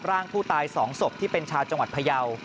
ร่างผู้ตาย๒ศพที่เป็นชาวจังหวัดพยาว